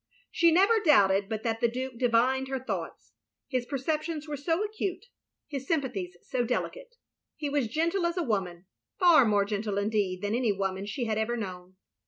She never doubted but that the Duke divined her thoughts. His perceptions were so acute; his sympathies so delicate — he was gentle as a woman; far more gentle, indeed, than any woman she had ever known.